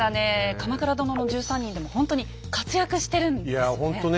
「鎌倉殿の１３人」でもほんとに活躍してるんですよね。